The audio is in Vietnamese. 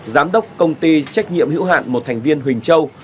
giám đốc công ty trách nhiệm hữu hạn một thành viên huỳnh châu